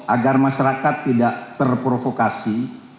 agar masyarakat tidak terprovokasi